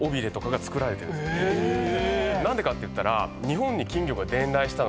何でかっていったら。